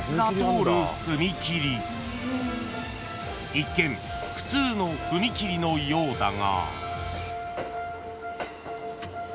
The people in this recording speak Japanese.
［一見普通の踏切のようだが］